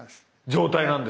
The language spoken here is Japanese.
状態なんですよ。